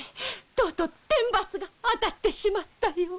とうとう天罰が当たってしまったよ。